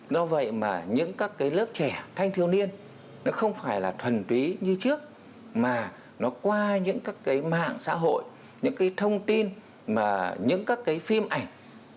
do vậy mà những các cái lớp trẻ thanh thiêu niên nó không phải là thuần túy như trước mà nó qua những các cái mạng xã hội những cái thông tin mà những các cái phim ảnh